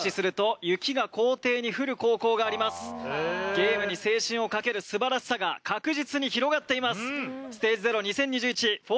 ゲームに青春をかけるすばらしさが確実に広がっています。